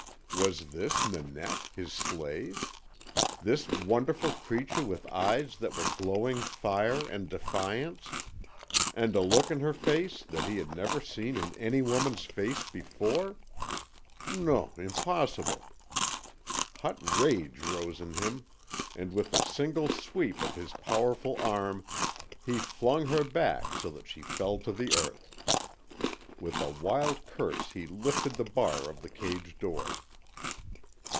Was this Nanette, his slave? This wonderful creature with eyes that were glowing fire and defiance, and a look in her face that he had never seen in any woman's face before? NON impossible! Hot rage rose in him, and with a single sweep of his powerful arm he flung her back so that she fell to the earth. With a wild curse he lifted the bar of the cage door.